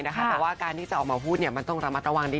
แต่ว่าการที่จะออกมาพูดมันต้องระมัดระวังดี